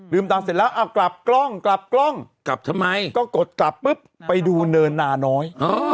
ตังค์เสร็จแล้วเอากลับกล้องกลับกล้องกลับทำไมก็กดกลับปุ๊บไปดูเนินนาน้อย